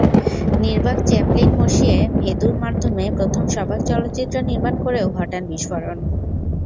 নির্বাক চ্যাপলিন মঁসিয়ে ভের্দ্যুর মাধ্যমে প্রথম সবাক চলচ্চিত্র নির্মাণ করেও ঘটান বিস্ফোরণ।